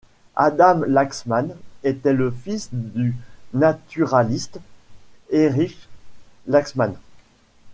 Adam Laxman était le fils du naturaliste Erich Laxmann.